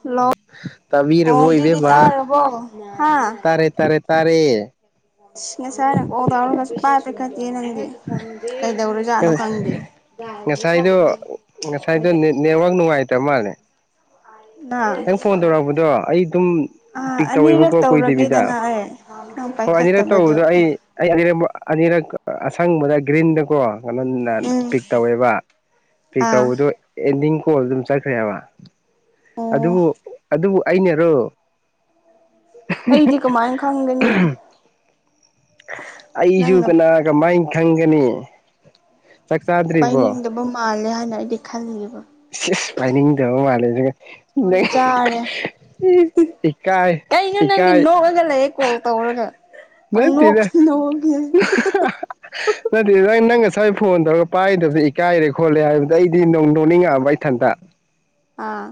Hello ꯑꯣ ꯇꯥꯕꯤꯔꯕꯣ ꯍꯧꯖꯤꯛꯇꯤ ꯏꯕꯦꯝꯃ ꯇꯥꯔꯕꯣ ꯍꯥ ꯇꯔꯦ ꯁ ꯉꯁꯥꯏꯅ ꯀꯣꯜ ꯇꯧꯔꯒꯁꯨ ꯄꯥꯏꯇ ꯏ ꯅꯪꯗꯤ ꯀꯩꯗꯧꯔꯨꯖꯥꯠꯅꯣ ꯈꯪꯗꯦ ꯉꯁꯥꯏꯗꯣ ꯇꯃꯅꯦ ꯅꯪ ꯐꯣꯟ ꯇꯧꯔꯛꯄꯗꯣ ꯑꯩ ꯑꯗꯨꯝ ꯑꯥ ꯄꯤꯛ ꯑꯅꯤꯔꯛ ꯇꯧꯋꯦꯕꯀꯣ ꯀꯣꯏ ꯗꯦꯕꯤꯗ ꯇꯧꯔꯒꯦꯗꯅ ꯑꯩ ꯅꯪ ꯍꯣꯏ ꯑꯅꯤꯔꯛ ꯄꯥꯏꯈꯠꯇꯕꯗꯣ ꯇꯧꯕꯗꯣ ꯑꯩ ꯎꯝ ꯑꯅꯤꯔꯛ ꯑꯅꯤꯔꯛ ꯑꯁꯪꯕꯗ ꯒ꯭ꯔꯤꯟꯗꯀꯣ ꯀ ꯎꯝ ꯄꯤꯛ ꯇꯧꯋꯦꯕ ꯄꯤꯛ ꯑꯥ ꯇꯧꯕꯗꯨꯣ ꯑꯦꯟꯗꯤꯡ ꯀꯣꯜ ꯑꯗꯨꯝ ꯆꯠꯈ꯭ꯔꯦꯕ ꯑꯣ ꯑꯅꯦꯔꯣ ꯑꯩꯗꯤ ꯀꯃꯥꯏꯅ ꯈꯪꯒꯅꯤ ꯑꯩꯖꯨ ꯅꯪꯅ ꯀ ꯀꯃꯥꯏ ꯈꯪꯒꯅꯤ ꯆꯥꯛ ꯆꯥꯗ꯭ꯔꯤꯕꯣ ꯄꯥꯏꯅꯤꯡꯗꯕ ꯃꯥꯜꯂꯦ ꯍꯥꯏ ꯗꯥ ꯂꯩꯕ ꯄꯥꯏꯅꯤꯡꯗꯕ ꯃꯥꯜꯂꯦꯁꯤ ꯍꯣꯏ ꯆꯥꯔꯦ ꯏꯀꯥꯏ ꯀꯩꯅꯣ ꯅꯪꯗꯤ ꯏꯀꯥꯏ ꯅꯣꯛꯑꯒ ꯂꯩꯌꯦꯦ ꯀꯣꯜ ꯇꯧꯔꯒ ꯄꯪ ꯅꯠꯇꯦꯗ ꯅꯣꯛꯁꯤ ꯅꯣꯛꯒꯦ ꯅꯠꯇꯦ ꯅꯪ ꯅꯪ ꯉꯁꯥꯏ ꯐꯣꯟ ꯇꯧꯔꯒ ꯄꯥꯏꯗꯕ ꯏꯀꯥꯏꯔꯦ ꯈꯣꯠꯂꯦ ꯍꯥꯏꯕꯗ ꯑꯩꯗꯤ ꯅ ꯅꯣꯡꯅꯤꯡꯉꯑꯕ ꯥꯏ ꯊꯥꯟꯗ ꯑꯥ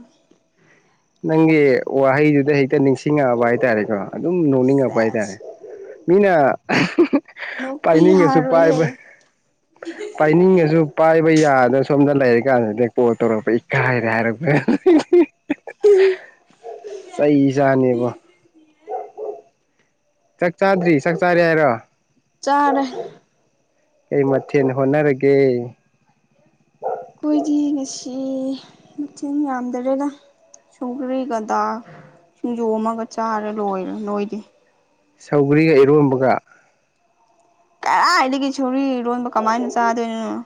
ꯅꯪꯒꯤ ꯋꯥꯍꯩꯗꯨꯗ ꯍꯦꯛꯇ ꯅꯤꯡꯁꯤꯡꯉꯛꯑꯕ ꯍꯥꯏꯇꯥꯔꯦꯀꯣ ꯑꯗꯨꯝ ꯅꯣꯛꯅꯤꯡꯉꯛꯄ ꯁꯦꯁ ꯍꯥꯏꯇꯥꯔꯦ ꯃꯤꯅ ꯅꯣꯛꯄ ꯄꯥꯏꯅꯤꯡꯉꯁꯨ ꯌꯥꯔꯣꯏꯌꯦ ꯄꯥꯏꯕ ꯄꯥꯏꯅꯤꯡꯉꯁꯨ ꯄꯥꯏꯕ ꯌꯥꯔꯦ ꯑꯗ ꯁꯣꯝꯗ ꯂꯩꯔꯤ ꯀꯥꯟꯗ ꯄꯣꯠ ꯇꯧꯔꯛꯄ ꯏꯀꯥꯏꯔꯦ ꯍꯥꯏꯔꯔꯕ ꯆꯩꯁꯅꯦꯕ ꯆꯠ ꯆꯥꯗ꯭ꯔꯤ ꯆꯠ ꯆꯥꯗ꯭ꯔꯤ ꯍꯥꯏꯔ ꯆꯔꯦ ꯀꯩ ꯃꯊꯦꯜ ꯍꯣꯠꯅꯔꯒꯦ ꯑꯩꯈꯣꯏꯗꯤ ꯉꯁꯤ ꯃꯁꯤꯡꯤꯟ ꯌꯥꯝꯗ꯭ꯔꯦꯗ ꯁꯨꯡꯀ꯭ꯔꯔꯤꯒꯗ ꯁꯤꯡꯖꯣꯝ ꯑꯃꯒ ꯆꯥꯔ ꯂꯣꯏꯔꯦ ꯅꯣꯏꯗꯤ ꯁꯧꯒ꯭ꯔꯤꯒ ꯏꯔꯣꯟꯝꯕꯒ ꯀ ꯏꯗꯤ ꯆꯨꯔ ꯑꯔꯣꯟꯕ ꯀꯃꯥꯏꯅ ꯆꯥꯗꯣꯏꯅꯅꯣ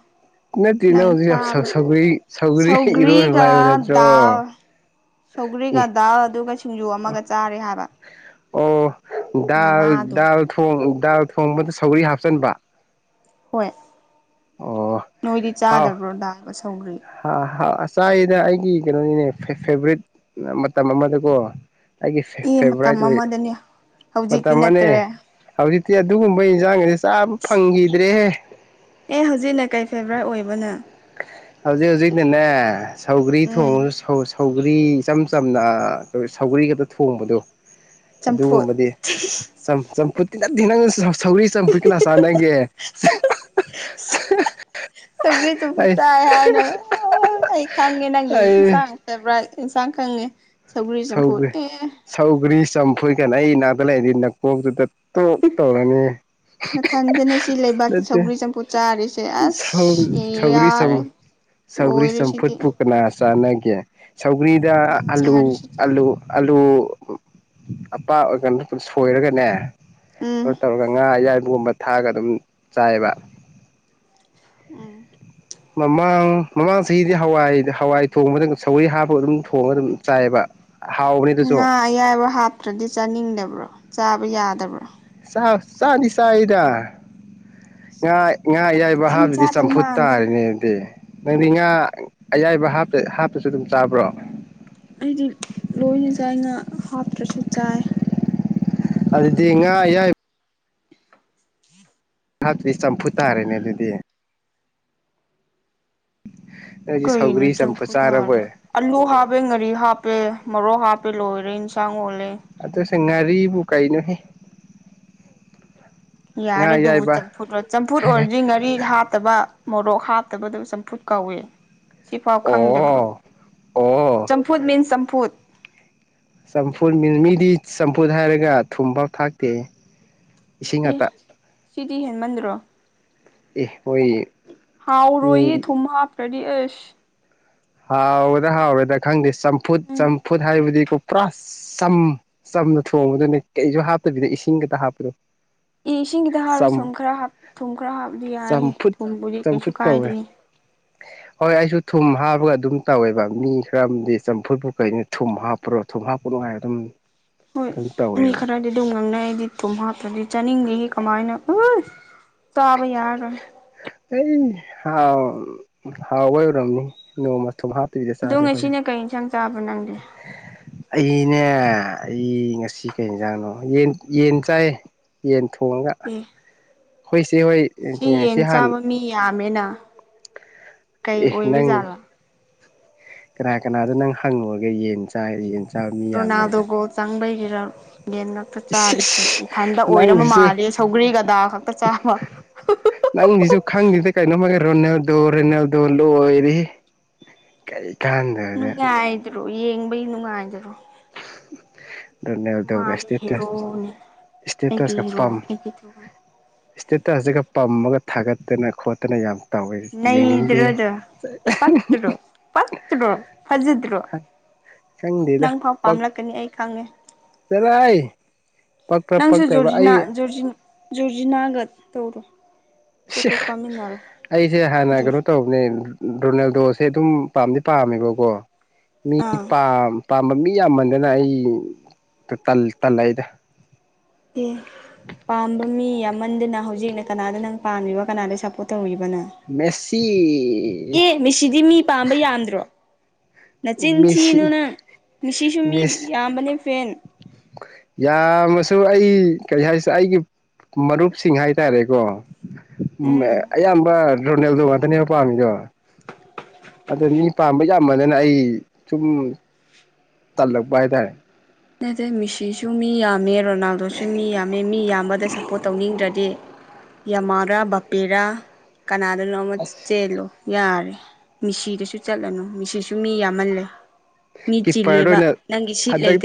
ꯅꯠꯇꯦ ꯅꯪ ꯍꯧꯖꯤꯛ ꯌꯥꯝ ꯆꯥꯕ꯭ꯔꯥ ꯁꯧꯒ꯭ꯔꯤ ꯁꯧꯒ꯭ꯔꯤ ꯏꯔꯣꯟꯕ ꯁꯧꯒ꯭ꯔꯤꯒ ꯍꯥꯏꯕ ꯅꯠꯇ꯭ꯔꯣ ꯗꯥꯜ ꯁꯧꯒ꯭ꯔꯤꯒ ꯑꯦ ꯗꯥꯜ ꯑꯗꯨꯒ ꯁꯤꯡꯖꯨ ꯑꯃꯒ ꯆꯥꯔꯦ ꯍꯥꯏꯕ ꯑꯣ ꯗꯜ ꯅꯅꯥꯗꯣ ꯗꯜ ꯊꯣꯡ ꯗꯥꯜ ꯊꯣꯡꯕꯗ ꯁꯧꯒꯔꯤ ꯍꯥꯞꯆꯤꯟꯕ ꯍꯣꯏ ꯅꯣꯏꯗꯤ ꯍꯥꯎ ꯆꯥꯗꯕ꯭ꯔꯣ ꯗꯥꯒ ꯁꯧꯒ꯭ꯔꯤ ꯆꯥꯏꯁꯤꯅ ꯑꯩꯒꯤ ꯀꯩꯅꯣꯅꯤꯅꯦ ꯐꯦꯕꯣꯔꯔꯤꯠ ꯃꯇꯝ ꯑꯃꯗꯀꯣ ꯑꯩꯒꯤ ꯑꯦ ꯐꯦꯚꯣꯔꯥꯏꯠ ꯃꯇꯝ ꯑꯣꯏ ꯑꯃꯗꯅꯦ ꯃꯇꯝ ꯍꯧꯖꯤꯛꯇꯤ ꯑꯃꯅꯦ ꯅꯠꯇ꯭ꯔꯦ ꯍꯧꯖꯤꯛ ꯑꯗꯨꯒꯗꯨꯨꯝꯕꯩꯖꯥꯡꯒꯦ ꯆꯥꯕ ꯐꯪꯈꯤꯗ꯭ꯔꯦꯍꯦ ꯑꯦ ꯍꯧꯖꯤꯛꯅ ꯀꯩ ꯐꯦꯚꯔꯥꯏꯠ ꯑꯣꯏꯕꯅ ꯍꯧꯖꯤꯛ ꯍꯧꯖꯤꯛꯅꯅꯦ ꯁꯧꯒ꯭ꯔꯤ ꯎꯝ ꯊꯣꯡꯉ ꯁꯧ ꯁꯧ ꯒꯔꯤ ꯏꯆꯝ ꯆꯝꯅ ꯁꯧꯒꯔꯤ ꯈꯛꯇ ꯊꯣꯡꯕꯗꯣ ꯆꯝꯐꯨꯠ ꯑꯗꯨꯒꯨꯝꯕꯗꯤ ꯆꯝ ꯆꯝꯐꯨꯠ [unintelligible] ꯅꯪ ꯁꯧꯔꯤ ꯆꯝꯐꯨꯠ ꯀꯅꯥ ꯆꯥꯟꯅꯒꯦ ꯁꯧꯒ꯭ꯔꯤ ꯆꯝꯐꯨꯠ ꯆꯥꯏ ꯍꯥꯏꯅ ꯑꯩ ꯈꯪꯉꯦ ꯅꯪꯒꯤ ꯑꯩ ꯏꯟꯁꯥꯡ ꯐꯦꯚꯣꯔꯥꯏꯠ ꯏꯟꯁꯥꯡ ꯀꯪꯉꯦ ꯁꯧꯒ ꯁꯧꯒꯔꯤ ꯆꯝ ꯐꯨꯏ ꯀꯅꯣ ꯑꯩ ꯏꯅꯥꯛꯇ ꯂꯩꯗꯤ ꯅꯄꯣꯛꯇꯨꯗ ꯅꯊꯟꯗꯅꯦ ꯁꯤ ꯂꯩꯕꯥꯛꯀꯤ ꯅꯠꯇꯦ ꯁꯧꯒ꯭ꯔꯤ ꯆꯝꯐꯨꯠ ꯆꯥꯔꯤꯁꯦ ꯁꯧ ꯑꯁ ꯁꯧꯒ꯭ꯔꯤ ꯌꯥꯔꯦ ꯆꯝ ꯂꯣꯏꯔꯦ ꯁꯤꯗꯤ ꯆꯥꯅꯒꯦ ꯁꯧꯒꯔꯤꯗ ꯅꯪ ꯑꯂꯨ ꯆꯥꯔꯤꯁꯤꯗꯤ ꯑꯜꯂꯨ ꯑꯜꯂꯨ ꯑꯄꯥ ꯑ ꯑꯗꯨꯝ ꯁꯣꯏꯔꯒꯅꯦ ꯎꯝ ꯇꯧꯔ ꯉꯥ ꯑꯌꯥꯏꯕꯒꯨꯝꯕ ꯊꯥꯛꯒ ꯑꯗꯨꯝ ꯆꯥꯏꯑꯕ ꯎꯝ ꯃꯃꯥ ꯃꯃꯥꯡ ꯆꯍꯤꯒꯤꯗꯤ ꯍꯋꯥꯏ ꯍꯋꯥꯏ ꯊꯣꯡꯕꯗ ꯁꯧꯒꯔꯤ ꯍꯥꯞꯄ ꯑꯗꯨꯝ ꯊꯣꯡꯉ ꯑꯗꯨꯝ ꯆꯥꯏꯌꯦꯕ ꯉꯥ ꯑꯌꯥꯏꯕ ꯍꯥꯞꯇ꯭ꯔꯗꯤ ꯆꯥꯅꯤꯡꯗꯕ꯭ꯔꯣ ꯆꯥꯕ ꯌꯥꯗꯕꯔꯣ ꯑ ꯆꯥꯗꯤ ꯆꯥꯏꯗ ꯉꯥꯏ ꯉꯥ ꯑꯌꯥꯏꯕ ꯈꯤꯇꯪ ꯍꯥꯞꯗꯨꯗꯤ ꯆꯥꯗꯧ ꯆꯝꯐꯨꯠ ꯃꯥꯟꯗꯦ ꯇꯥꯔꯦꯅꯦ ꯑꯗꯤ ꯅꯪꯗꯤ ꯉꯥ ꯑꯌꯥꯏꯕ ꯍꯞꯇ ꯍꯥꯞꯇꯁꯨ ꯑꯗꯨꯝ ꯆꯥꯕ꯭ꯔꯣ ꯑꯩꯗꯤ ꯂꯣꯏꯅ ꯆꯥꯏ ꯉꯥ ꯍꯥꯞꯇ꯭ꯔꯁꯨ ꯆꯥꯏ ꯑꯗꯨꯗꯤ ꯉꯥ ꯑꯌꯥꯏ ꯊꯥꯛꯇꯔꯤ ꯆꯝꯐꯨꯠ ꯇꯥꯔꯦꯅꯦ ꯑꯗꯨꯗꯤ [inaudible] ꯅꯣꯏꯗꯤ ꯀꯩꯅꯣ ꯁꯧꯒ꯭ꯔꯤ ꯆꯝꯐꯨꯠ ꯆꯝꯐꯨ ꯊꯥꯔꯦ ꯆꯥꯔꯕꯣꯏ ꯑꯂꯨ ꯍꯥꯞꯄꯦ ꯉꯥꯔꯤ ꯍꯥꯞꯄꯦ ꯃꯔꯣꯛ ꯍꯥꯞꯄꯄꯤ ꯂꯣꯏꯔꯦ ꯏꯟꯁꯥꯡ ꯑꯣꯜꯂꯦ ꯑꯗꯨꯁ ꯍꯡ ꯉꯥꯔꯤꯕ ꯀꯩꯅꯨꯍꯦ ꯌꯥꯔꯦ ꯑꯗꯨꯕꯨ ꯆꯝꯐꯨꯠ ꯑꯣꯏ ꯆꯝꯐꯨꯠ ꯑꯣꯏꯔ꯭ꯗꯤ ꯉꯥꯔꯤ ꯍꯥꯞꯇꯕ ꯃꯣꯔꯣꯛ ꯍꯥꯞꯇꯕꯗꯨ ꯆꯝꯐꯨꯠ ꯀꯧꯋꯦ ꯁꯤꯐꯥꯎ ꯈꯪꯗꯕ꯭ꯔꯣ ꯑꯣ ꯑꯣ ꯆꯝꯐꯨꯠ ꯃꯤꯟꯁ ꯆꯝꯐꯨꯠ ꯆꯝꯐꯨ ꯃꯤꯗꯤ ꯆꯝꯐꯨꯠ ꯍꯥꯏꯔꯒ ꯊꯨꯝꯐꯥꯎ ꯊꯥꯛꯇꯦ ꯏꯁꯤꯡ ꯑꯦ ꯉꯥꯇꯥ ꯁꯤꯗꯤ ꯍꯦꯟꯃꯟꯗ꯭ꯔꯣ ꯏ ꯃꫭꯏ ꯍꯥꯎ ꯔꯣꯏꯌꯦ ꯊꯨꯝ ꯍꯥꯞ ꯇ꯭ꯔꯗꯤ ꯑꯩꯁ ꯍꯥꯎ ꯒꯗ‌ꯔꯥ ꯍꯥꯎ ꯔꫭꯏꯗ‍꯭ꯔꯥ ꯈꯪꯗꯦ ꯆꯝꯐꯨꯠ ꯎꯝ ꯆꯝꯐꯨꯠ ꯍꯥꯏꯕꯗꯤ ꯄꯨ ꯄ꯭ꯔꯥ ꯆꯝ ꯆꯝꯅ ꯊꯣꯡꯕꯗꯨꯅꯦ ꯀꯩꯁꯨ ꯍꯥꯞꯇꯕꯤꯗ ꯏꯁꯤꯡ ꯈꯛꯇ ꯍꯥꯞꯄꯗꫭ ꯏ ꯏꯁꯤꯡꯒꯤꯗ ꯍꯥꯞꯔꯁꯨ ꯊꯨꯝ ꯈꯔ ꯊꯨꯝ ꯈꯔ ꯍꯥꯞꯔꯗꯤ ꯌꯥꯏꯍꯦ ꯆꯝꯐꯨꯠ ꯊꯨꯝꯕꯨꯗꯤ ꯀꯩꯁꯨ ꯆꯝꯐꯨꯠ ꯀꯧꯋꯦ ꯀꯥꯏꯗꯤꯌꯦ ꯍꯣꯏ ꯑꯩꯁꯨ ꯊꯨꯝ ꯍꯥꯄꯒ ꯑꯗꯨꯝ ꯇꯧꯋꯦꯕ ꯃꯤ ꯈꯔ ꯑꯝꯗꯤ ꯆꯝꯐꯨꯠꯄꯨ ꯀꯩꯅꯣ ꯊꯨꯝ ꯍꯥꯞꯄ꯭ꯔꯣ ꯊꯨꯝ ꯍꯥꯞꯄꯨꯅꫭ ꯍꯥꯏ ꯑꯗꯨꯝ ꯍꯣꯏ ꯑꯗꯨꯝ ꯃꯤ ꯇꯧꯋꯦꯕ ꯈꯔꯗꯤ ꯑꯗꯨꯝ ꯉꯪꯅꯩ ꯑꯩꯗꯤ ꯊꯨꯝ ꯍꯥꯞꯇ‍꯭ꯔꯗꯤ ꯆꯥꯅꯤꯡꯗꯤ ꯀꯃꯥꯏꯅ ꯎꯁ ꯆꯥꯕ ꯌꯥꯔꯔꫭꯏ ꯑꯩ ꯍꯥꯎ ꯍꯥꯎꯕꯩ ꯑꫭꯏꯔꯝꯅꯤ ꯅꫭꯡꯃ ꯗꯣ ꯉꯁꯤꯅ ꯀꯩ ꯏꯟꯁꯥꯡ ꯌꯥꯕꯔ ꯅꯪꯗꯤ ꯅꯦ ꯑꯩ ꯉꯁꯤ ꯀꯩ ꯏꯖꯥꯡꯅꯣ ꯌꯦꯟ ꯌꯦꯟ ꯆꯥꯏ ꯌꯦꯟ ꯊꯣꯡꯉꯒ ꯑꯦ ꯑꯩꯈꯣꯏ ꯏꯆꯦ ꯍꯣꯏ ꯉꯁꯤ ꯁꯤ ꯍꯥꯟ ꯌꯦꯟꯆꯥꯕ ꯃꯤ ꯌꯥꯝꯃꯦꯅꯥ ꯀꯩ ꯑꯦ ꯅꯪ ꯑꯣꯏꯕꯤꯖꯥꯂ ꯀꯅꯥ ꯀꯅꯥꯗ ꯅꯪ ꯍꯪꯉꯨꯔꯒꯦ ꯌꯦꯟ ꯆꯥꯏ ꯌꯦꯟ ꯆꯥꯕ ꯃꯤ ꯌꯥꯝꯃꯦ ꯔꯣꯅꯥꯜꯗꯣ ꯍꯥꯏꯁꯦ ꯒꯣꯜ ꯆꯪꯕꯩꯒꯤ [inaudible] ꯌꯦꯟ ꯉꯛꯇ ꯏꯁ ꯆꯥꯔꯤꯁꯦ ꯏꯁ ꯏꯊꯟꯗ ꯑꯣꯏꯔꯝꯃ ꯅꯪꯁꯤꯁꯨ ꯃꯥꯜꯂꯦ ꯁꯧꯒ꯭ꯔꯤꯒ ꯗꯥꯜ ꯈꯛꯇ ꯆꯥꯕ ꯅꯪꯁꯤꯁꯨ ꯈꯪꯗꯦꯗ ꯀꯩꯅꯣꯝꯃꯒ ꯔꯣꯅꯦꯜꯗꯣ ꯔꫭꯅꯦꯜꯗꫭ ꯂꫭꯏꯔꯦꯍꯦ ꯀꯩ ꯀꯥꯟꯗꯕꯗ ꯗ꯭ꯔꫭ ꯌꯦꯡꯕꯩ ꯅꯨꯡꯉꯥꯏꯗ꯭ꯔꯣ ꯔꯣꯅꯦꯜꯗꯣꯒ ꯃꯥꯅꯦ ꯏꯁꯇꯦꯇꯁ ꯍꯦꯔꯣꯅꯦ ꯑꯩꯒꯤ ꯍꯦꯔꯣ ꯑꯩꯒꯤ ꯑꯗꯨꯒ ꯏꯁꯇꯦꯇꯁꯤꯒ ꯄꯝꯃꯒ ꯊꯥꯒꯠꯇꯅ ꯈꯣꯠꯇꯅ ꯌꯥꯝ ꯇꯧꯋꯦ ꯌꯦꯡꯅꯤꯡꯗꯦ ꯅꯩꯗ꯭ꯔꯣꯗꯨ ꯄꯛꯇ꯭ꯔꫭ ꯄꯛꯇ꯭ꯔꫭ ꯐꯖꯗ꯭ꯔꯣ ꯅꯪ ꯐꯥꯎ ꯄꯥꯝꯂꯛꯀꯅꯤ ꯑꯩ ꯈꯪꯉꯦ ꯆꯠꯂꫭ ꯍꯩ ꯄꯛꯄ꯭ꯔꯥ ꯄꯛꯇꯕ꯭ꯔꯥ ꯑꯩ ꯨꯖꯨꯖꯤꯅꯥꯒꯠ ꯇꯧꯔꯣ [unintelligible] ꯐꯣꯇꯣ ꯀꯥꯃꯤꯟꯅꯔꯣ ꯑꯩꯁꯦ ꯍꯥꯟꯅ ꯀꯩꯅꯣ ꯇꯧꯕꯅꯦ ꯔꯣꯅꯦꯜꯗꯣꯁꯦ ꯑꯗꯨꯝ ꯄꯥꯝꯗꯤ ꯄꯥꯝꯃꯦꯕꯀꯣ ꯃꯤ ꯑꯥ ꯄꯥꯝ ꯄ ꯃꯤ ꯌꯥꯝꯃꯟꯗꯅ ꯑꯩ ꯇꯜ ꯇꯜꯂꯛꯑꯦꯗ ꯑꯦ ꯄꯥꯝꯕ ꯃꯤ ꯌꯥꯝꯃꯟꯗꯅ ꯍꯧꯖꯤꯛꯅ ꯀꯅꯥꯗ ꯅꯪ ꯄꯥꯝꯃꯤꯕ ꯀꯅꯥꯗ ꯁꯞꯄꯣꯔꯠ ꯇꯧꯔꯤꯕ ꯃꯦꯁꯤ ꯑꯦ ꯃꯦꯁꯤꯗꯤ ꯃꯤ ꯄꯥꯝꯕ ꯌꯥꯝꯗ꯭ꯔꯣ ꯅꯆꯤꯟ ꯃꯦꯁꯤ ꯊꯤꯅꯨ ꯅꯪ ꯃꯦꯁꯤꯁꯨ ꯃꯤ ꯃꯦꯁꯤ ꯌꯥꯝꯕꯅꯦ ꯐꯦꯟ ꯌꯥꯝꯃꯁꯨ ꯑꯩ ꯀꯔꯤ ꯍꯥꯏꯁꯤꯔ ꯑꯩꯒꯤ ꯃꯔꯨꯞꯁꯤꯡ ꯍꯥꯏꯇꯥꯔꯦꯀꯣ ꯎꯝ ꯑꯌꯥꯝꯕ ꯔꯣꯅꯦꯜꯗꯣ ꯉꯥꯛꯇꯅꯦꯕ ꯄꯥꯝꯃꯤꯗꯣ ꯑꯗꯣ ꯃꯤ ꯄꯥꯝꯕ ꯌꯥꯝꯃꯟꯗꯅ ꯑꯩ ꯁꯨꯝ ꯇꯜꯂꯛꯄ ꯍꯥꯏꯇꯔꯦ ꯅꯠꯇꯦ ꯃꯦꯁꯤꯁꯨ ꯃꯤ ꯌꯥꯝꯃꯦ ꯔꯣꯅꯥꯜꯗꯣꯁꯨ ꯃꯤ ꯌꯥꯝꯃꯦ ꯃꯤ ꯌꯥꯝꯕꯗ ꯁꯞꯄꯣꯔꯠ ꯇꯧꯅꯤꯡꯗ꯭ꯔꯗꯤ ꯌꯥꯃꯥꯔꯥ ꯕꯥꯄꯦꯔꯥ ꯀꯅꯥꯗꯅꯣꯝꯃꯥ ꯑꯁ ꯆꯦꯜꯂꯣ ꯌꯥꯔꯦ ꯃꯦꯁꯤꯗꯁꯨ ꯆꯠꯂꯅꯨ ꯃꯦꯁꯤꯁꯨ ꯃꯤ ꯌꯥꯝꯃꯜꯂꯦ ꯃꯤ ꯀꯤꯞꯄꯔꯗ ꯆꯤꯜꯂꯦꯕ ꯑꯣꯏꯅ ꯅꯪꯒꯤ ꯁꯤꯠ ꯂꯩ ꯍꯟꯗꯛ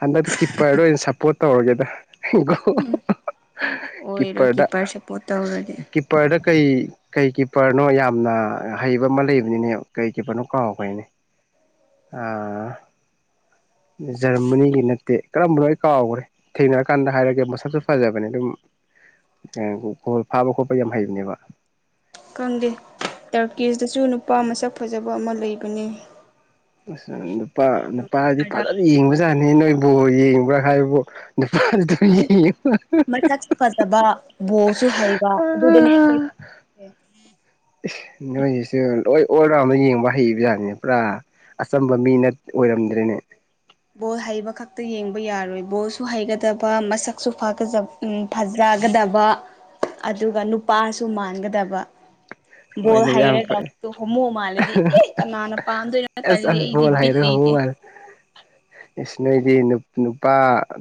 ꯍꯟꯗꯛꯇꯤ ꯀꯤꯞꯄꯔꯗ ꯑꯣꯢꯅ ꯁꯞꯄꯣꯔꯇ ꯇꯧꯔꯒꯦꯗ ꯑꯣꯏꯔꯣꯏ ꯀꯤꯞꯄꯔꯗ ꯀꯤꯞꯄꯔ ꯁꯞꯄꯣꯔꯠ ꯇꯧꯔꯗꯤ ꯀꯤꯞꯄꯔꯗ ꯀꯩ ꯀꯩ ꯀꯤꯞꯄꯔꯅꯣ ꯌꯥꯝꯅ ꯍꯩꯕ ꯑꯃ ꯂꯩꯕꯅꯤꯅꯦ ꯀꯩ ꯀꯤꯞꯄꯔꯅꯣ ꯀꯥꯎꯒꯔꯦꯅꯦ ꯖꯔꯃꯥꯅꯤꯒꯤ ꯅꯠꯇꯦ ꯀꯔꯝꯕꯅꯣ ꯑꯩ ꯀꯥꯎꯈꯒ꯭ꯔꯦ ꯊꯦꯡꯅꯔꯀꯥꯟꯗ ꯍꯥꯏꯔꯒꯦ ꯃꯁꯛꯁꯨ ꯐꯖꯕꯅꯦ ꯑꯗꯨꯝꯣ ꯕꯣꯜ ꯐꯥꯕ ꯈꯣꯠꯄ ꯌꯥꯝ ꯍꯩꯕꯅꯦꯕ ꯈꯪꯗꯦ ꯇꯔꯀꯤꯁꯇꯁꯨ ꯅꯨꯄꯥ ꯃꯁꯛ ꯐꯖꯕ ꯑꯃ ꯂꯩꯕꯅꯦ ꯑꯁ ꯅꯨꯄꯥ ꯅꯨꯄꯥꯗꯤ ꯐꯖꯅ ꯌꯦꯡꯕꯖꯥꯠꯅꯦ ꯅꯣꯏ ꯕꯣꯜ ꯌꯦꯡꯕ꯭ꯔꯥ ꯍꯥꯏꯕꯕꯨ ꯅꯨꯄꯥꯗꯤ ꯑꯗꯨꯝ ꯌꯦꯡꯉꯤ ꯃꯁꯛꯁꯨ ꯐꯖꯕ ꯕꯣꯜꯁꯨ ꯍꯩꯕ ꯑꯗꯨꯗꯅꯦ ꯑꯩꯈꯣꯏ ꯌꯦꯡꯉꯤꯁꯦ ꯢꯁ ꯅꯣꯏꯁꯨ ꯂꯣꯏ ꯑꯣꯜ ꯔꯥꯎꯟꯗ ꯌꯦꯡꯕ ꯍꯩꯕ ꯖꯥꯠꯅꯤꯅꯦ ꯄꯨꯔꯥ ꯑꯆꯝꯕ ꯃꯤ ꯅꯠ ꯑꯣꯏꯔꯝꯗ꯭ꯔꯦꯅꯦ ꯕꯣꯜ ꯍꯩꯕ ꯈꯛꯇ ꯌꯦꯡꯕ ꯌꯥꯔꯣꯏ ꯕꯣꯜꯁꯨ ꯍꯩꯒꯗꯕ ꯃꯁꯛꯁꯨ ꯐꯖꯒꯗꯕ ꯑꯗꯨꯒ ꯅꯨꯄꯥꯁꯨ ꯃꯥꯟꯒꯗꯕ ꯕꯣꯜ ꯍꯣꯏꯅꯦ ꯌꯥꯝ ꯍꯩꯔꯒ ꯐꯩ ꯑꯗꯣ ꯍꯣꯃꯨ ꯃꯥꯜꯂꯗꯤ ꯑꯤ ꯀꯅꯥꯅ ꯄꯥꯝꯗꯣꯏꯅꯣ ꯑꯁ ꯇꯜꯂꯤ ꯑꯁ ꯑꯩꯗꯤ ꯕꯣꯜ ꯕꯤꯠ ꯍꯩꯔꯒ ꯂꯩꯇꯦ ꯍꯧꯕ ꯃꯥꯜꯂꯦ ꯏꯁ ꯅꯣꯏꯗꯤ ꯅꯨꯄꯥ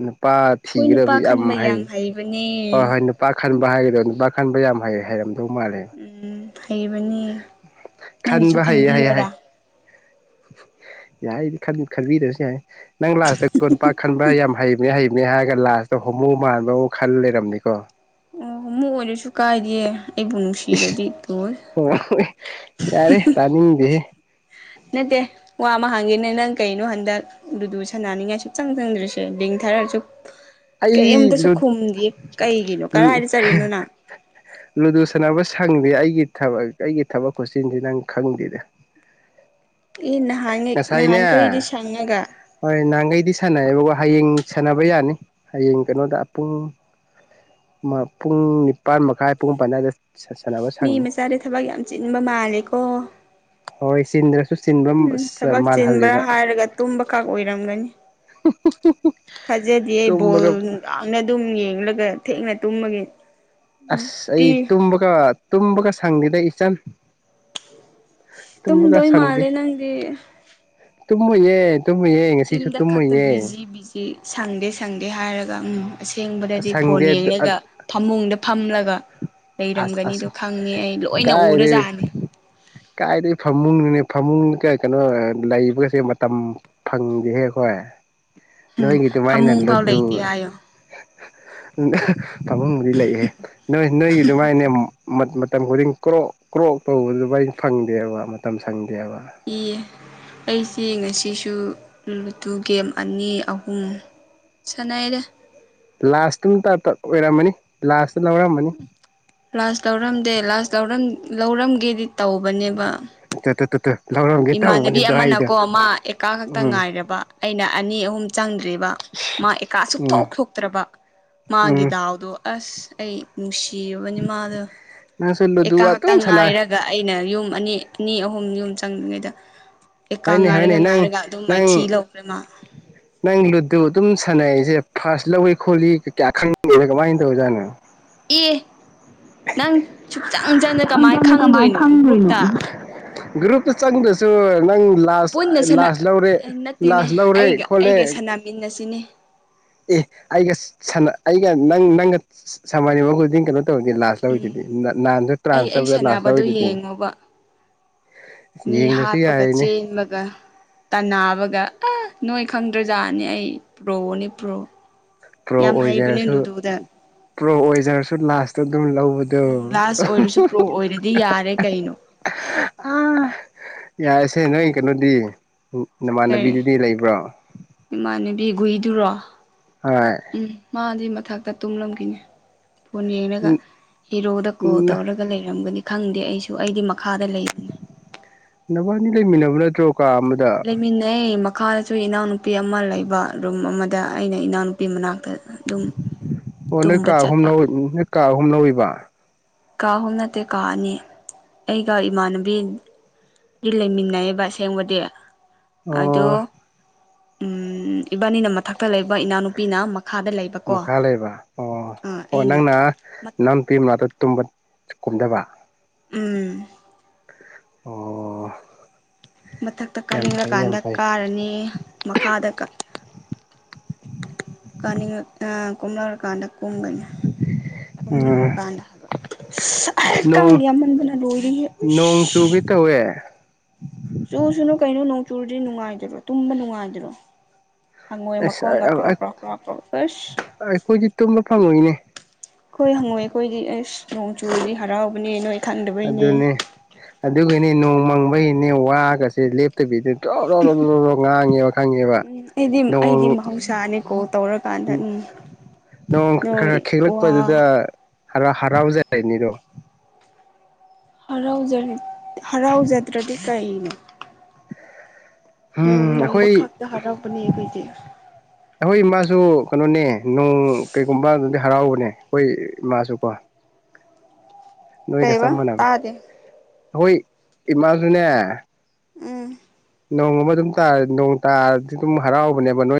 ꯅꯨꯄꯥ ꯑꯩꯈꯣꯏ ꯅꯨꯄꯥ ꯊꯤꯒꯥꯗꯕꯖꯦ ꯌꯥꯝ ꯈꯟꯕ ꯍꯩꯌꯦ ꯍꯩꯕꯅꯦ ꯍꯣꯏ ꯍꯣꯏ ꯅꯨꯄꯥ ꯈꯟꯕ ꯍꯥꯏꯒꯗ꯭ꯔꯣ ꯅꯨꯄꯥ ꯈꯟꯕ ꯌꯥꯝ ꯍꯥꯏꯌꯦ ꯍꯥꯏꯔꯝꯃꯦ ꯑꯗꯨ ꯃꯥꯔꯦ ꯂꯩꯕꯅꯤ ꯅꯪꯒꯤꯁꯨ ꯍꯩꯌꯦ ꯍꯩ ꯍꯩ ꯈꯟꯕꯤꯌꯔꯥ ꯌꯥꯏꯗꯤ ꯈꯟꯕꯤꯗ꯭ꯔꯁꯨ ꯌꯥꯏ ꯅꯪ ꯂꯥꯁꯇ ꯀꯣꯟꯄꯥꯛ ꯈꯟꯕ ꯌꯥꯝ ꯍꯩ ꯍꯩ ꯅꯦ ꯍꯥꯏꯔꯒ ꯂꯥꯁꯇ ꯍꯣꯃꫭ ꯃꯥꯟꯕ ꯑꯃ ꯈꯜ ꯂꯩꯔꯝꯅꯤꯀꯣ ꯑꯣ ꯃꯨꯛ ꯑꯣꯏꯔꯁꯨ ꯀꯥꯏꯗꯦ ꯑꯩꯕꯨ ꯅꯨꯡꯁꯤꯔꯗꯤ ꯇꯣꯏ ꯑꯣ ꯌꯥꯔꯦ ꯇꯥꯅꯤꯗꯍꯦ ꯅꯠꯇꯦ ꯋꯥ ꯑꯃ ꯍꯥꯡꯒꯦꯅꯦ ꯅꯪ ꯀꯩꯅꯣ ꯍꯟꯗꯛ ꯑꯗꯨꯗꯨ ꯁꯥꯟꯅꯅꯤꯡꯉꯥꯏ ꯁꯨꯡꯆꯪ ꯆꯪꯗ꯭ꯔꯤꯁꯦ ꯂꯤꯡ ꯊꯥꯔꯛꯑꯥꯁꯨ ꯑꯩ ꯀꯩꯝꯇꯁꯨ ꯈꯨꯝꯗꯤ ꯀꯩꯒꯤꯅꯣ ꯀꯗꯥꯥꯏꯗ ꯆꯠꯔꯤꯅꯣ ꯅꯪ ꯈꯪꯗꯦ ꯑꯩꯒꯤ ꯊꯕꯛ ꯑꯩꯒꯤ ꯊꯕꯛ ꯈꯨꯠꯆꯤꯟꯁꯤ ꯅꯪ ꯈꯪꯗꯦꯗ ꯑꯦ ꯅꯍꯥꯟꯉ ꯉꯁꯥꯏꯅꯦ ꯅꯍꯥꯟꯈꯩꯗꯤ ꯁꯪꯉꯒ ꯁꯥꯟꯅꯩꯌꯦꯕ ꯍꯌꯦꯡ ꯁꯥꯟꯅꯕ ꯌꯥꯅꯤ ꯍꯌꯦꯡ ꯀꯩꯅꯣꯗ ꯄꯨꯡ ꯄꯨꯡ ꯅꯤꯄꯥꯥꯟ ꯃꯈꯥꯏ ꯄꯨꯡꯄꯥꯟꯗ ꯃꯤ ꯃꯆꯥꯁꯦ ꯊꯕꯛ ꯌꯥꯝ ꯆꯤꯟꯕ ꯃꯥꯜꯂꯦꯀꯣ ꯆ ꯎꯝ ꯊꯕꯛ ꯆꯤꯟꯕ꯭ꯔꯥ ꯍꯥꯏꯔꯒ ꯇꯨꯝꯕ ꯈꯛ ꯑꯣꯏꯔꯝꯒꯅꯤ ꯊꯖꯗꯦ ꯕꯥꯜ ꯇꯨꯝꯕꯒ ꯌꯥꯝ ꯌꯦꯡꯂꯒ ꯊꯦꯡꯅ ꯇꯨꯝꯃꯒꯦ ꯑꯁ ꯑꯩ ꯇꯨꯝꯃꯀ ꯇꯨꯝꯕꯒ ꯁꯪꯗꯗ ꯏꯆꯟ ꯇꯨꯝꯗꯣꯏ ꯃꯥꯜꯂꯦ ꯅꯪꯒꯤ ꯇꯨꯃꯤ ꯌꯦ ꯇꯨꯝꯃꯨꯌꯦ ꯉꯁꯤꯁꯨ ꯈꯛꯇ ꯇꯨꯝꯃꯨꯌꯦꯦ ꯕꯤꯖꯤ ꯕꯤꯖꯤ ꯁꯪꯗꯦ ꯁꯪꯗꯦ ꯍꯥꯏꯔꯒ ꯎꯝ ꯑꯁꯦꯡꯕꯗꯗꯤ ꯐꯣꯟ ꯁꯪꯗꯦ ꯌꯦꯡꯂꯒ ꯐꯃꯨꯡꯗ ꯐꯝꯂꯒ ꯑꯁ ꯑꯁ ꯂꯩꯔꯝꯒꯅꯤꯗꯣ ꯈꯪꯉꯦ ꯑꯩ ꯂꯣꯏꯅ ꯎꯔꯖꯥꯅꯤ ꯀꯥꯏꯗꯒꯤ ꯐꯃꯨꯡꯅꯅꯦ ꯐꯃꯨꯡ ꯀ ꯀꯩꯅꯣ ꯂꯩꯕꯒꯁꯦ ꯃꯇꯝ ꯐꯪꯗꯦꯍꯦ ꯑꯩꯈꯣꯏ ꯎꯝ ꯅꯣꯏꯒꯤ ꯐꯃꯨꯡ ꯐꯥꯎ ꯂꯩꯇꯦ ꯍꯥꯏꯌꯣ ꯎꯝ ꯐꯥꯃꯨꯡꯕꯨꯗꯤ ꯂꯩꯑꯦ ꯅꯣꯏ ꯅꯣꯏꯒꯤ ꯑꯗꯨꯃꯥꯏꯅꯦ ꯃꯇꯝ ꯈꯨꯗꯤꯡ ꯀ꯭ꯔꯣꯛ ꯀ꯭ꯔꯣꯛ ꯇꯧꯕꯗꯨꯃ ꯐꯪꯗꯦꯕ ꯃꯇꯝ ꯁꯪꯗꯦꯕ ꯏꯌꯦ ꯑꯩꯁꯦ ꯉꯁꯤꯁꯨ ꯂꯨꯗꯨ ꯒꯦꯝ ꯑꯅꯤ ꯑꯍꯨꯝ ꯁꯥꯟꯅꯩꯔꯦ ꯂꯥꯁꯇꯝꯇ ꯑꯣꯏꯔꯝꯃꯅꯤ ꯂꯥꯁ ꯂꯧꯔꯝꯕꯅꯤ ꯂꯥꯁ ꯂꯧꯔꯝꯗꯦ ꯂꯥꯁꯔ ꯂꯧꯔꯝꯒꯦꯗꯤ ꯇꯧꯕꯅꯦꯕ ꯇꯠꯇ ꯇꯠꯇ ꯏꯃꯥꯟꯅꯕꯤ ꯑꯃꯅꯀꯣ ꯑꯃ ꯑꯦꯀꯥ ꯈꯛꯇ ꯎꯝ ꯉꯥꯏꯔꯕ ꯑꯩꯅ ꯑꯅꯤ ꯑꯍꯨꯝ ꯆꯪꯗ꯭ꯔꯤꯕ ꯃꯥ ꯑꯦꯀꯥ ꯎꯝ ꯁꯨꯞꯊꯣꯛ ꯊꯣꯛꯇ꯭ꯔꯕ ꯃꯥꯒꯤ ꯎꯝ ꯗꯥꯎꯗꯣ ꯑꯁ ꯑꯩ ꯅꯨꯡꯁꯤꯔꯕꯅꯤ ꯃꯥꯗꯣ ꯅꯪꯁꯨ ꯑꯦꯀꯥ ꯂꯨꯗꯨ ꯈꯇ ꯑꯗꯨꯝ ꯁꯥꯟꯅꯩ ꯉꯥꯏꯔꯒ ꯑꯩꯅ ꯌꯨꯝ ꯑꯅꯤ ꯑꯅꯤ ꯑꯍꯨꯝꯅꯤ ꯑꯍꯨꯝ ꯆꯪꯗ꯭ꯉꯩꯗ ꯍꯅꯦ ꯍꯅꯦ ꯅꯪ ꯅꯪ ꯂꯧꯈ꯭ꯔꯦ ꯃꯥ ꯅꯪ ꯂ ꯑꯗꯨ ꯑꯗꯨꯝ ꯁꯥꯟꯅꯩꯁꯦ ꯐꯥꯔꯁ ꯂꯧꯏ ꯈꯣꯠꯂꯤ ꯀꯌꯥ ꯈꯪꯗꯦꯕ ꯀꯃꯥꯏꯅ ꯇꯧꯖꯥꯠꯅꯣ ꯑꯦ ꯅꯪ ꯁꯨꯞꯆꯪ ꯆꯪꯗ ꯏꯆꯪ ꯀꯃꯥꯏꯅ ꯆꯪꯅ ꯈꯪꯗꯣꯏꯅꯣ ꯈꯪꯗꯣꯏꯅꯣ ꯒ꯭ꯔꯨꯞꯇ ꯒ꯭ꯔꯨꯞꯇ ꯆꯪꯗ꯭ꯔꯁꯨ ꯅꯪ ꯂꯥꯁ ꯄꯨꯟꯅ ꯂꯥꯁ ꯂꯧꯔꯦ ꯅꯠꯇꯦꯅꯦ ꯂꯥꯁ ꯂꯧꯔꯦ ꯑꯩꯒ ꯈꯣꯠꯂꯦ ꯑꯩꯒ ꯁꯥꯟꯅꯃꯤꯟꯅ ꯑꯁꯤꯅꯦ ꯑꯦ ꯑꯩꯒ ꯁ ꯑꯩꯒ ꯅꯪ ꯅꯪꯒ ꯁꯃꯅ ꯋꯥꯗꯤ ꯀꯩꯅꯣ ꯂꯥꯁꯁ ꯂ ꯑꯣꯏ ꯅꯥꯟꯁ ꯑꯩ ꯇ꯭ꯔꯥꯟꯁ ꯑꯩ ꯂꯁ ꯂ ꯁꯥꯟꯅꯕꯗꯣ ꯑꯣꯏꯗꯤ ꯌꯦꯡꯉꯣꯕ ꯃꯤ ꯍꯥꯞꯄꯒ ꯆꯦꯟꯕꯒ ꯇꯅꯥꯕꯒ ꯅꯣꯏ ꯈꯪꯗ꯭ꯔꯖꯥꯠꯅꯤ ꯑꯩ ꯄꯨ꯭ꯔꯣꯅꯦ ꯄ꯭ꯔꯣ ꯄ꯭ꯔꯣ ꯌꯥꯝ ꯍꯩꯕꯅꯦ ꯑꯣꯏꯖꯔꯁꯨ ꯂꯨꯗꯣꯗ ꯄ꯭ꯔꯣ ꯑꯣꯏꯖꯔꯁꯨ ꯂꯥꯁ ꯎꯝ ꯂꯥꯁ ꯑꯣꯏꯔꯁꯨ ꯄ꯭ꯔꯣ ꯑꯣꯏꯔꯗꯤ ꯌꯥꯔꯦ ꯀꯩꯅꯣ ꯌꯥꯏꯁꯦ ꯅꯣꯏ ꯀꯩꯅꯣꯗꯤ ꯀꯔꯤ ꯅꯃꯥꯟꯅꯕꯤꯗꯨꯗꯤ ꯂꯩꯕ꯭ꯔꯣ ꯏꯃꯥꯟꯅꯕꯤ ꯨꯏꯗꯨꯔꯣ ꯍꯣꯏ [inaudible] ꯎꯝ ꯃꯥꯗꯤ ꯃꯊꯛꯇ ꯇꯨꯝꯂꯣꯡ ꯀꯅꯤ ꯐꯣꯟ ꯌꯦꯡꯒ ꯍꯦꯔꯣꯗ ꯀꯣꯜ ꯇꯧꯔꯒ ꯂꯩꯔꯝꯒꯅꯤ ꯈꯪꯗꯦ ꯑꯩꯁꯨ ꯑꯩꯗꯤ ꯃꯈꯥꯗ ꯂꯩꯕꯅꯤ ꯅꯕꯅꯤ ꯂꯩ ꯃꯤꯂꯕ ꯇ ꯂꯩꯃꯤꯟꯅ ꯃꯈꯥꯗꯁꯨ ꯏꯅꯥꯎꯅꯨꯄꯤ ꯑꯃ ꯂꯩꯕ ꯔꯨꯝ ꯑꯃꯗ ꯑꯩꯅ ꯏꯅꯥꯎꯅꯨꯄꯤ ꯃꯅꯥꯛꯇ ꯑꯗꯨꯝ ꯑꯣꯅ ꯇꯨꯝꯕ ꯀꯥ ꯆꯠꯄ ꯍꯨꯝꯅ ꯀꯥ ꯑꯨꯝ ꯂꯧꯕ ꯀꯥ ꯑꯍꯨꯝ ꯅꯠꯇꯦ ꯀꯥ ꯑꯅꯤ ꯑꯩꯒ ꯏꯃꯥꯟꯅꯕꯤꯗꯤ ꯂꯩꯃꯤꯟꯅꯩꯑꯕ ꯑꯁꯦꯡꯕꯗꯤ ꯑꯣ ꯑꯗꯣ꯫ ꯎꯝ ꯏꯕꯥꯅꯤꯅ ꯃꯊꯛꯇ ꯂꯩꯕ ꯏꯅꯥꯎꯅꯨꯄꯤꯅ ꯃ ꯃꯈꯥ ꯂꯩꯕ ꯑꯣ ꯑꯥ ꯑꯣ ꯑꯩꯅ ꯅꯪꯅ ꯅꯅꯥꯎꯄꯤꯃꯅꯥꯛꯇ꯫ ꯇꯨꯝꯕ ꯀꯨꯝꯙꯕ꯫ ꯎꯝ꯫ ꯑꯣ꯫ ꯃꯊꯛꯇ ꯌꯥꯝ ꯐꯩ ꯌꯥꯝ ꯀꯥꯅꯤꯡꯂꯀꯥꯟꯗ ꯐꯩ ꯀꯥꯔꯅꯤ ꯃꯈꯥꯗ ꯀꯥ ꯀꯥꯅꯤꯡꯉ ꯑ꯫ [unintelligible] ꯀꯥꯟꯗ ꯀꯨꯝꯒꯅ ꯎꯝ ꯀꯨꯝꯅꯤꯡꯉꯀꯥꯟꯗ ꯍꯥꯏꯕ ꯏꯁ ꯑꯍ ꯀꯥꯡ ꯅꯣꯡ ꯌꯥꯝꯃꯟꯕꯅ ꯂꯣꯏꯔꯦꯍꯦ ꯅꯣꯡ ꯎꯁ꯫ ꯆꯨꯒꯦ ꯇꯧꯋꯦ [inaudible] ꯆꯨꯁꯨꯅꯨ ꯀꯩꯅꯣ ꯅꯣꯡ ꯆꯨꯨꯔꯗꯤ ꯅꯨꯡꯉꯥꯏꯗꯔꯣ ꯇꯨꯝꯕ ꯅꯨꯡꯉꯥꯏꯗꯔꯣ꯫ ꯍꯪꯉꯣꯏ ꯑꯁ ꯃꯈꯣꯡꯒ ꯑ ꯑ ꯑ ꯀ꯭ꯔꯣꯛ ꯀ꯭ꯔꯣꯛ ꯀ꯭ꯔꯣꯛ ꯀ꯭ꯔꯣꯛ ꯑꯁ ꯑꯩꯈꯣꯏꯗꯤ ꯇꯨꯝꯕ ꯐꯪꯉꯣꯏꯅꯦ꯫ ꯈꯣꯏ ꯍꯪꯉꯣꯏ ꯑꯩꯈꯣꯏꯗꯤ ꯑꯦꯁ ꯅꯣꯡ ꯆꯨꯔꯗꯤ ꯍꯔꯥꯎ꯫ ꯑꯗꯨꯅꯦ ꯑꯗꯨꯒꯤꯅꯦ ꯅꯣꯡ ꯃꯪ꯫ ꯍꯣꯏꯅꯦ ꯋꯥꯒꯁꯦ ꯂꯦꯞꯇꯕꯤꯗ꯫ ꯆꯣꯔꯣꯔꯣꯔꯣꯔꯣ ꯉꯥꯡ꯫ [unintelligible] ꯈꯪꯉꯦꯕ ꯎꯝ ꯑꯩꯗꯤ ꯅꯣꯡ ꯑꯩꯗꯤ ꯃꯍꯧꯁꯥꯅꯤ ꯀꯣꯜ ꯇꯧꯔꯀꯥꯟꯗ ꯅ ꯎꯝ ꯅꯣꯡ ꯈꯔ ꯈꯔ ꯅꯣꯏ ꯋꯥ ꯈꯤꯛꯂꯛꯄꯗꯁꯤꯗ ꯍꯔꯥꯎꯖꯔꯅꯤꯗꯣ꯫ ꯍꯔꯥꯎ ꯍꯔꯥꯎꯖꯗ꯭ꯔꯗꯤ ꯀꯩꯅꯣ꯫ ꯅꯣꯡ ꯎꯝ ꯃꯪꯕ ꯑꯩꯈꯣꯏ ꯈꯛꯇ ꯍꯔꯥꯎꯕꯅꯦ ꯑꯩꯈꯣꯏꯁꯦ꯫ ꯑꯩꯈꯣꯏ ꯏꯃꯥꯁꯨ ꯀꯩꯅꯣꯅꯦ ꯅꯣꯡ ꯀꯩꯒꯨꯝꯕ ꯑꯗꯨꯗꯤ ꯍꯔꯥꯎꯕꯅꯦ ꯑꯩꯈꯣꯏ ꯏꯃꯥꯁꯨꯀꯣ꯫ ꯀꯩꯕ ꯇꯥꯗꯦ꯫ ꯑꯍꯣꯏ ꯏꯃꯥꯁꯨꯅꯦ꯫ ꯎꯝ꯫ ꯅꯣꯡꯃ ꯑꯗꯨꯝ ꯇꯥꯔ ꯅꯣꯡ ꯇꯥꯔꯗꯤ ꯑꯗꯨꯝ ꯍꯔꯥꯎꯕꯅꯦꯕ ꯅꯣꯏ꯫